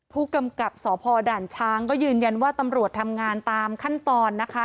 ผู้กำกับสพด่านช้างก็ยืนยันว่าตำรวจทำงานตามขั้นตอนนะคะ